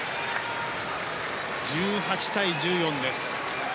１８対１４です。